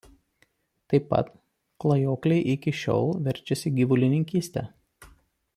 Taip pat klajokliai iki šiol verčiasi gyvulininkyste.